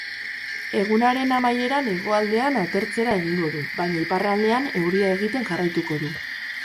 Egunaren amaieran hegoaldean atertzera egingo du, baina iparraldean euria egiten jarraituko du.